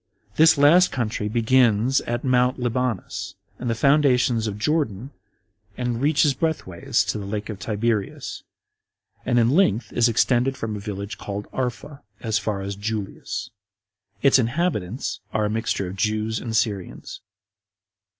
This [last] country begins at Mount Libanus, and the fountains of Jordan, and reaches breadthways to the lake of Tiberias; and in length is extended from a village called Arpha, as far as Julias. Its inhabitants are a mixture of Jews and Syrians.